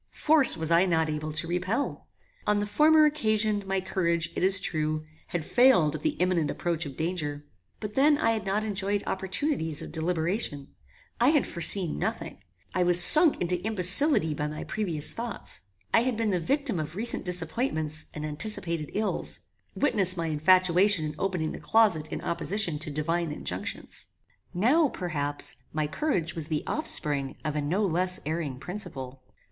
Force was I not able to repel. On the former occasion my courage, it is true, had failed at the imminent approach of danger; but then I had not enjoyed opportunities of deliberation; I had foreseen nothing; I was sunk into imbecility by my previous thoughts; I had been the victim of recent disappointments and anticipated ills: Witness my infatuation in opening the closet in opposition to divine injunctions. Now, perhaps, my courage was the offspring of a no less erring principle.